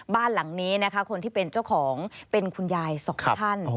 บ้านหลังนี้นะคะคนที่เป็นเจ้าของเป็นคุณยายสองท่าน